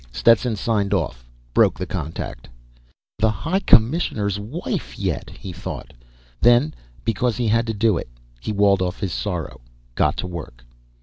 Stetson signed off, broke the contact. The High Commissioner's wife yet! he thought. Then, because he had to do it, he walled off his sorrow, got to work.